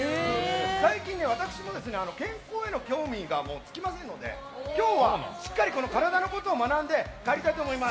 最近、私も健康への興味が尽きませんので今日はしっかり体のことを学んで帰りたいと思います。